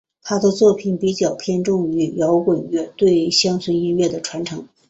他们的作品比较偏重于摇滚乐对乡村音乐的传承。